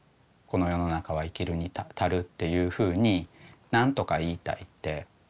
この世の中は生きるに足るっていうふうに何とか言いたいって。